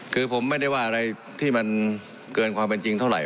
คือผมไม่ได้ว่าอะไรที่มันเกินความเป็นจริงเท่าไห